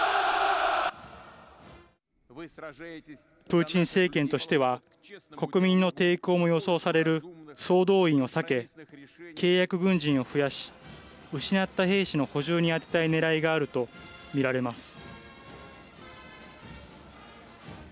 プーチン政権としては国民の抵抗も予想される総動員を避け契約軍人を増やし失った兵士の補充に充てたいねらいがあると見られます。